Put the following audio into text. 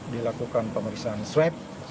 dilakukan pemeriksaan swab